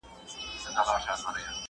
زه به سبا د هنرونو تمرين کوم..